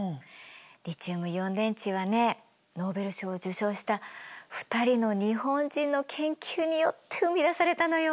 リチウムイオン電池はねノーベル賞を受賞した２人の日本人の研究によって生み出されたのよ。